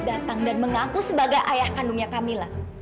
pak haris datang dan mengaku sebagai ayah kandungnya kamila